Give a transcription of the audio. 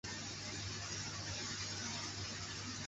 非洲金融共同体法郎最初与法国法郎挂钩。